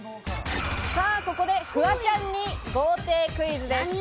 ここでフワちゃんに豪邸クイズです。